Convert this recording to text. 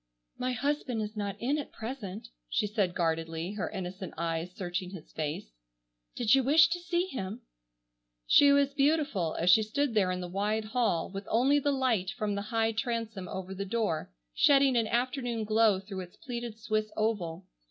"My husband is not in at present," she said guardedly, her innocent eyes searching his face, "did you wish to see him?" She was beautiful as she stood there in the wide hall, with only the light from the high transom over the door, shedding an afternoon glow through its pleated Swiss oval.